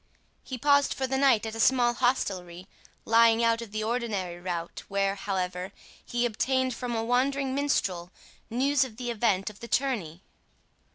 He paused for the night at a small hostelry lying out of the ordinary route, where, however, he obtained from a wandering minstrel news of the event of the tourney.